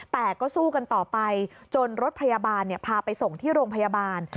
แต่ก็สู้กันต่อไปจนรถพยาบาลพาไปส่งที่โรงพยาบาล